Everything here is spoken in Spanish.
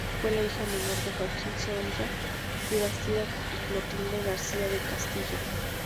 Fue la hija menor de Joaquín Sorolla y Bastida y Clotilde García del Castillo.